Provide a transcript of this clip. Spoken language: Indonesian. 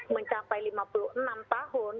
mencapai lima puluh enam tahun